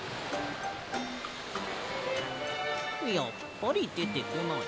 やっぱりでてこない。